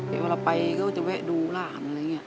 เดี๋ยวเวลาไปเขาจะแวะดูหลานอะไรอย่างนี้